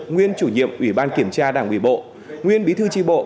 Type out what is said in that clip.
nguyên chủ nhiệm ủy ban kiểm tra đảng ủy bộ nguyên bí thư tri bộ